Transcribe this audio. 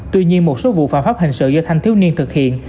tuy nhiên một số vụ phạm pháp hình sự do thanh thiếu niên thực hiện